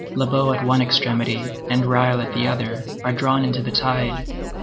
Lobau at one extremity, and Reille at the other, are drawn into the tide.